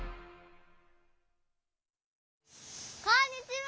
こんにちは！